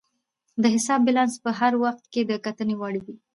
د حساب بیلانس په هر وخت کې د کتنې وړ وي.